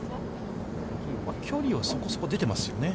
距離はそこそこ出ていますよね。